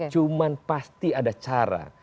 cuman pasti ada cara